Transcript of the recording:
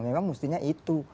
memang mestinya itu